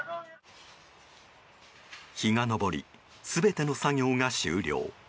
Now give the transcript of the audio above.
日が昇り、全ての作業が終了。